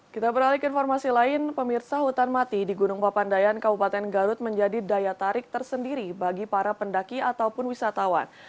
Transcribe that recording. kita beralih ke informasi lain pemirsa hutan mati di gunung papandayan kabupaten garut menjadi daya tarik tersendiri bagi para pendaki ataupun wisatawan